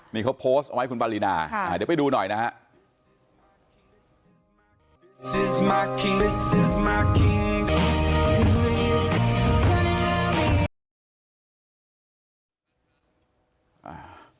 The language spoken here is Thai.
นี่เขาโพสต์ไว้คุณปารีนาเดี๋ยวไปดูหน่อยนะฮะ